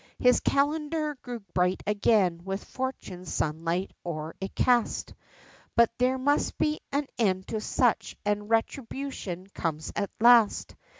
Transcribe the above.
His calender grew bright again with fortune's sunlight o'er it cast, But there must be an end to such, and retribution comes at last.